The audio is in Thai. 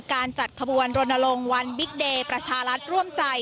การจัดขบวนรณรงค์วันบิ๊กเดย์ประชารัฐร่วมใจ